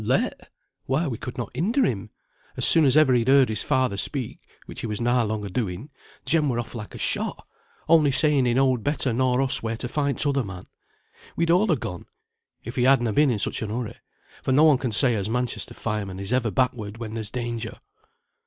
"Let! why we could not hinder him. As soon as ever he'd heard his father speak (which he was na long a doing), Jem were off like a shot; only saying he knowed better nor us where to find t'other man. We'd all ha' gone, if he had na been in such a hurry, for no one can say as Manchester firemen is ever backward when there's danger."